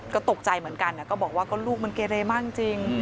ก็ตกใจเหมือนกันก็บอกว่าก็ลูกมันเกเรมากจริง